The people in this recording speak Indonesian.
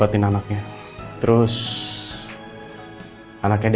jadi siapa di luar sana lagi